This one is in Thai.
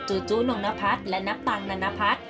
จู๊จู๊นงนพัทและนับตังนานพัท